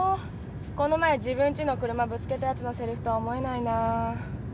この前自分ちの車ぶつけたヤツのせりふとは思えないな。